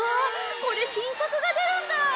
これ新作が出るんだ！